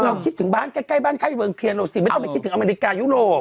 คิดถึงบ้านใกล้บ้านใกล้เมืองเคียนเราสิไม่ต้องไปคิดถึงอเมริกายุโรป